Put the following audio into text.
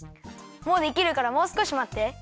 もうできるからもうすこしまって。